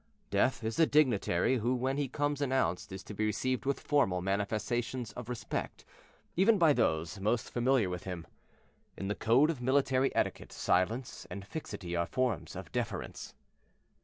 Death is a dignitary who when he comes announced is to be received with formal manifestations of respect, even by those most familiar with him. In the code of military etiquette silence and fixity are forms of deference.